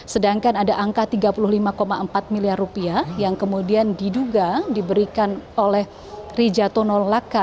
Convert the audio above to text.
sedangkan ada angka tiga puluh lima empat miliar rupiah yang kemudian diduga diberikan oleh rijatono laka